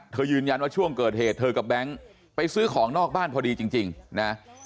ยืนยันว่าช่วงเกิดเหตุเธอกับแบงค์ไปซื้อของนอกบ้านพอดีจริงนะ